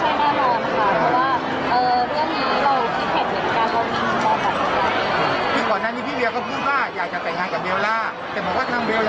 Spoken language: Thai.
ถ้าจะเป็นเรื่องนี้ก็จะตอบว่าไม่ใช่แน่นอนค่ะ